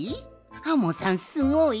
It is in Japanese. アンモさんすごい？